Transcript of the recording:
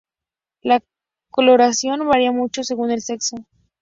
La coloración varía mucho según el sexo.